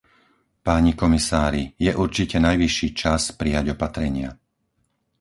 Páni komisári, je určite najvyšší čas prijať opatrenia.